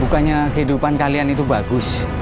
bukannya kehidupan kalian itu bagus